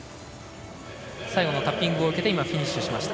最後のタッピングを受けてフィニッシュしました。